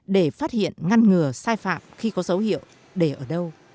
để phát hiện ngăn ngừa sai phạm khi có dấu hiệu để ở đâu